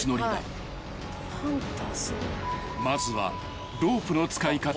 ［まずは］